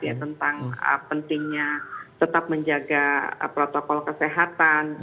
ya tentang pentingnya tetap menjaga protokol kesehatan